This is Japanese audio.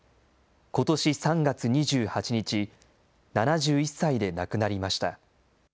ことし３月２８日、７１歳で亡くなりました。